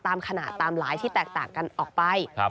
ตามขนาดตามหลายที่แตกต่างกันออกไป